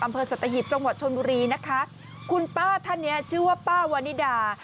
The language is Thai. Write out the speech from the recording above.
อำเภอสัตหิบจังหวัดชนบุรีนะคะคุณป้าท่านเนี้ยชื่อว่าป้าวานิดา